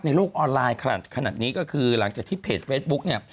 โลกออนไลน์ขนาดนี้ก็คือหลังจากที่เพจเฟซบุ๊กเนี่ย